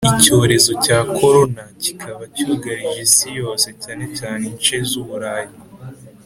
icyoreza cya corona kikaba cyugarije isi yose cyane cyane ince zuburayi